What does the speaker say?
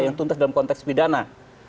yang tuntas dalam konteks pidana